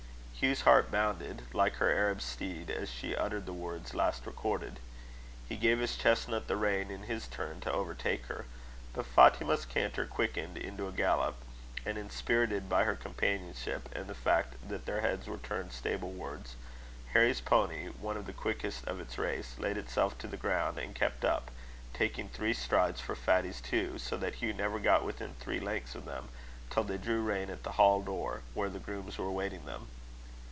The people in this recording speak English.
Hugh's heart bounded, like her Arab steed, as she uttered the words last recorded. He gave his chestnut the rein in his turn, to overtake her; but Fatima's canter quickened into a gallop, and, inspirited by her companionship, and the fact that their heads were turned stablewards, Harry's pony, one of the quickest of its race, laid itself to the ground, and kept up, taking three strides for Fatty's two, so that Hugh never got within three lengths of them till they drew rein at the hall door, where the grooms were waiting them.